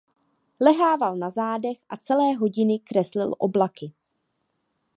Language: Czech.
Lehával na zádech a celé hodiny kreslil oblaky.